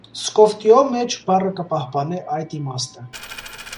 Սկովտիոյ մէջ բառը կը պահպանէ այդ իմաստը։